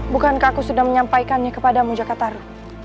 bukankah aku sudah menyampaikannya kepadamu jakartaro